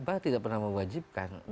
apa tidak pernah mewajibkan